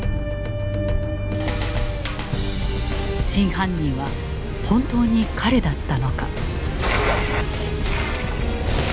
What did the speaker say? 真犯人は本当に彼だったのか？